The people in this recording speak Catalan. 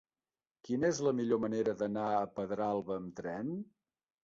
Quina és la millor manera d'anar a Pedralba amb tren?